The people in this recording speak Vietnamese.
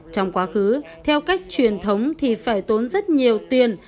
trong quá khứ theo cách truyền thống thì phải tốn rất nhiều tiền